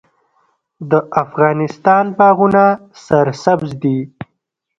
د افغانستان باغونه سرسبز دي